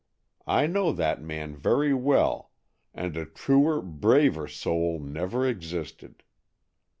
I know that man very well, and a truer, braver soul never existed."